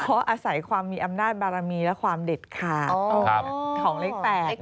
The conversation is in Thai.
เพราะอาศัยความมีอำนาจบารมีและความเด็ดขาดของเลข๘